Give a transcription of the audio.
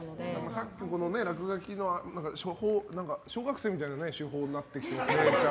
さっき落書きのも小学生みたいになってきてますね。